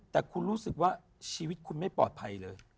แต่คุณรู้สึกว่าชีวิตคุณไม่ปลอดภัยเลย